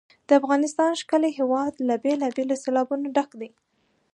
د افغانستان ښکلی هېواد له بېلابېلو سیلابونو ډک دی.